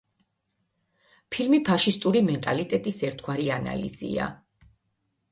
ფილმი ფაშისტური მენტალიტეტის ერთგვარი ანალიზია.